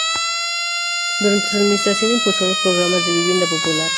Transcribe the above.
Durante su administración impulsó los programas de vivienda popular.